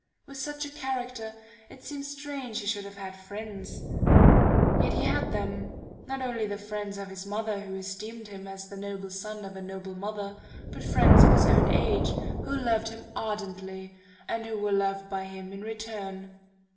"With such a character, it seems strange he should have had friends: yet he had them, not only the friends of his mother who esteemed him as the noble son of a noble mother, but friends of his own age, who loved him ardently, and who were loved by him in return....